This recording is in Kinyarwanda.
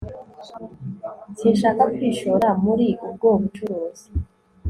sinshaka kwishora muri ubwo bucuruzi